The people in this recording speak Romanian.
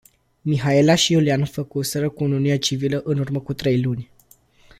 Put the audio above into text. Mihaela și Iulian făcuseră cununia civilă în urmă cu trei luni.